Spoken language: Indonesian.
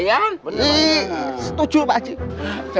iya setuju pak ustadz